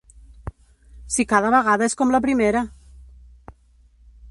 Si cada vegada és com la primera!